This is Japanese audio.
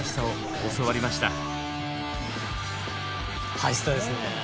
ハイスタですね。